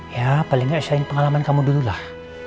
ya paling gak isiin pengalaman kamu dulu lah